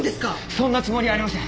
そんなつもりありません。